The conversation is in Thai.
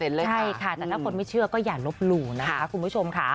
ใช่ค่ะแต่ถ้าคนไม่เชื่อก็อย่าลบหลู่นะคะคุณผู้ชมค่ะ